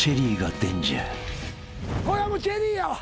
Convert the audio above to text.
これはもうチェリーやわ。